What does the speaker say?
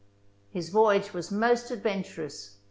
His voyage was most adventurous.